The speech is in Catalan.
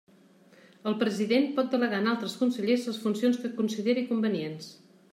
El president pot delegar en altres consellers les funcions que consideri convenients.